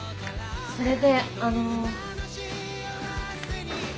それであの。